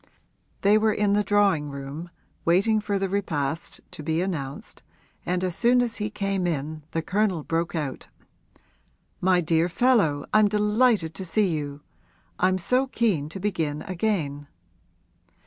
They were in the drawing room, waiting for the repast to be announced, and as soon as he came in the Colonel broke out, 'My dear fellow, I'm delighted to see you! I'm so keen to begin again.'